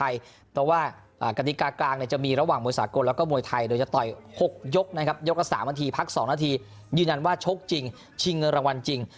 แยกกลับสองนาทีพักสองนาทียืนยันว่าชกจริงชิงเงินรางวัลจริง